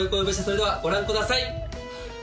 それではご覧ください